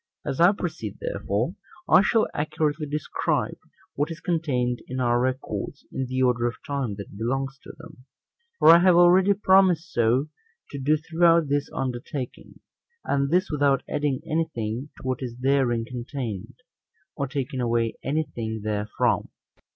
As I proceed, therefore, I shall accurately describe what is contained in our records, in the order of time that belongs to them; for I have already promised so to do throughout this undertaking; and this without adding any thing to what is therein contained, or taking away any thing therefrom.